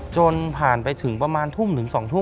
จนผ่านไปถึงประมาณทุ่มถึง๒ทุ่ม